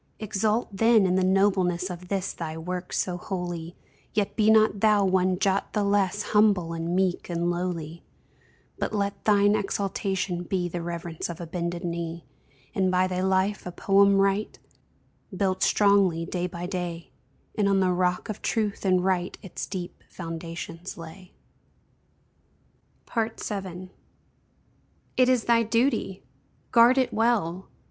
Exult then in the nobleness Of this thy work so holy, Yet be not thou one jot the less Humble and meek and lowly, But let thine exultation be The reverence of a bended knee; And by thy life a poem write, Built strongly day by day And on the rock of Truth and Right Its deep foundations lay. VII. It is thy |DUTY|! Guard it well!